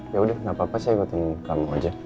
ya udah gak apa apa saya ikutin kamu aja